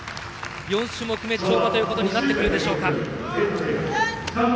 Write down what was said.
４種目め跳馬となってくるでしょうか。